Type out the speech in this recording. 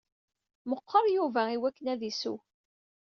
Meqqeṛ Yuba i wakken ad isew.